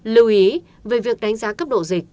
lưu ý về việc đánh giá cấp độ dịch